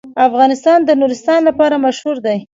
افغانستان د نورستان لپاره مشهور دی.